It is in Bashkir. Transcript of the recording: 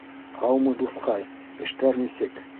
Һаумы, дуҫҡай! Эштәр нисек?